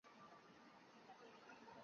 黄讷裕生于唐大中五年。